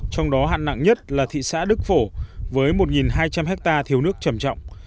trong đó hạn nặng nhất là thị xã đức phổ với một hai trăm linh hectare thiếu nước trầm trọng